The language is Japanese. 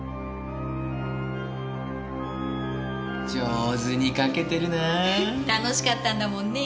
上手に描けてるなあ。楽しかったんだもんね。